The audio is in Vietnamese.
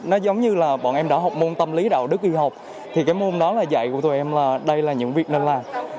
nó giống như là bọn em đã học môn tâm lý đạo đức đi học thì cái môn đó là dạy của tụi em là đây là những việc nên làm